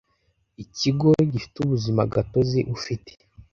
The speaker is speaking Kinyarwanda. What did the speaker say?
ikigo gifite ubuzima gatozi ufite